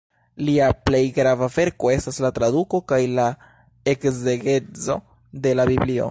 Lia plej grava verko estas la traduko kaj la ekzegezo de la Biblio.